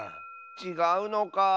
ちがうのか。